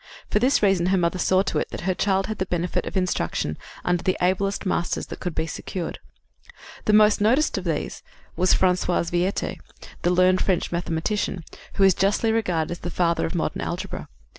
For this reason her mother saw to it that her child had the benefit of instruction under the ablest masters that could be secured. The most noted of these was François Viète, the learned French mathematician, who is justly regarded as the father of modern algebra.